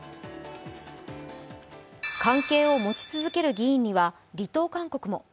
関係を持ち続ける議員には離党勧告も。